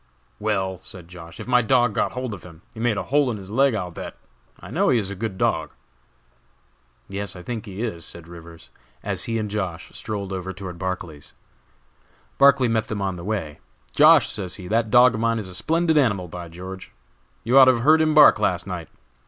"Well," said Josh., "if my dog got hold of him, he made a hole in his leg, I'll bet. I know he is a good dog." "Yes, I think he is," said Rivers, as he and Josh. strolled over toward Barclay's. Barclay met them on the way. "Josh.," says he, "that dog of mine is a splendid animal, by George! You ought to have heard him bark last night.